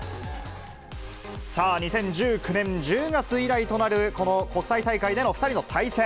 さあ、２０１９年１０月以来となる、この国際大会での２人の対戦。